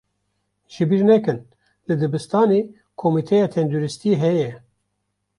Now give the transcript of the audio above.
Ji bîr nekin, li dibistanê komîteya tenduristiyê heye.